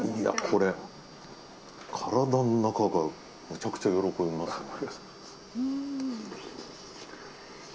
これ、体の中がめちゃくちゃ喜びますね。